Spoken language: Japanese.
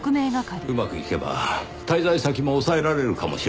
うまくいけば滞在先も押さえられるかもしれません。